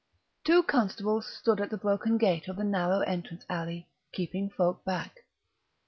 Two constables stood at the broken gate of the narrow entrance alley, keeping folk back.